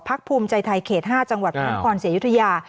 ภูมิใจไทยเขต๕จังหวัดพระนครศรีอยุธยา